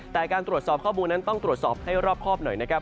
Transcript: แต่การตรวจสอบข้อมูลนั้นต้องตรวจสอบให้รอบครอบหน่อยนะครับ